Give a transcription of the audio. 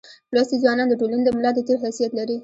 لوستي ځوانان دټولني دملا دتیر حیثیت لري.